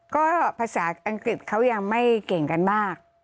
ก็ภาษาอังกฤษเขายังไม่เก่งกันมาก